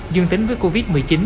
dương tính với covid một mươi chín